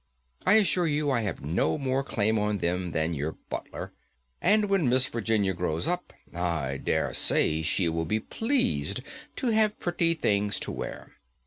I assure you I have no more claim on them than your butler, and when Miss Virginia grows up, I dare say she will be pleased to have pretty things to wear.